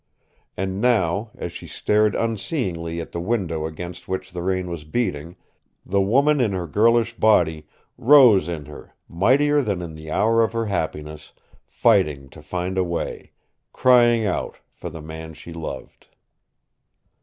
And now, as she stared unseeingly at the window against which the rain was beating, the woman in her girlish body rose in her mightier than in the hour of her happiness, fighting to find a way crying out for the man she loved.